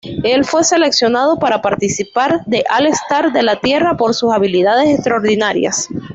Él fue seleccionado para participar del All-Star de la Tierra por sus habilidades extraordinarias.